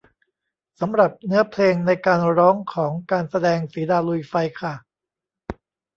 สำหรับเนื้อเพลงในการร้องของการแสดงสีดาลุยไฟค่ะ